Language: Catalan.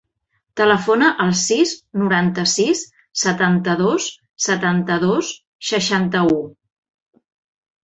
Telefona al sis, noranta-sis, setanta-dos, setanta-dos, seixanta-u.